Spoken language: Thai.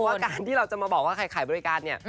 ว่าการที่เราจะมาบอกว่าใครขายบริการเนี่ย